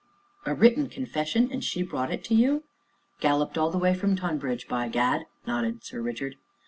"A written confession and she brought it to you?" "Galloped all the way from Tonbridge, by Gad!" nodded Sir Richard.